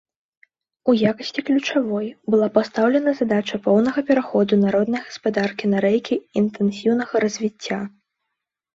У якасці ключавой была пастаўлена задача поўнага пераходу народнай гаспадаркі на рэйкі інтэнсіўнага развіцця.